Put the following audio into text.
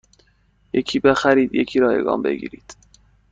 یکی بخرید یکی رایگان بگیرید